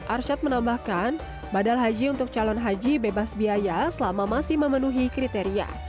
arsyad menambahkan badal haji untuk calon haji bebas biaya selama masih memenuhi kriteria